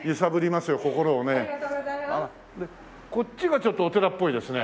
こっちがちょっとお寺っぽいですね。